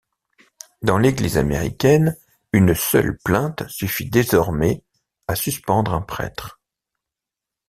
Dans l'Église américaine, une seule plainte suffit désormais à suspendre un prêtre.